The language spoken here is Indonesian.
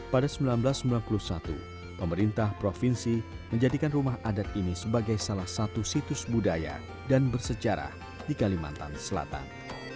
pada seribu sembilan ratus sembilan puluh satu pemerintah provinsi menjadikan rumah adat ini sebagai salah satu situs budaya dan bersejarah di kalimantan selatan